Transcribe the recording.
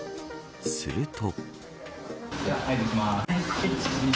すると。